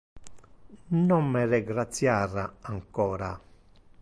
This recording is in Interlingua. Non me regratiar ancora.